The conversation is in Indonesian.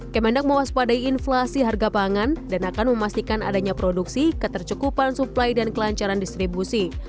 kemendak mewaspadai inflasi harga pangan dan akan memastikan adanya produksi ketercukupan suplai dan kelancaran distribusi